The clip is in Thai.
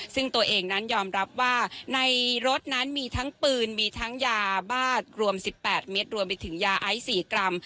ซึ่งตัวเองนั้นยอมรับว่าในรถนั้นมีทั้งปืนมีทั้งยาบ้ารวม๑๘เมตรรวมไปถึงยาไอซ์๔กรัม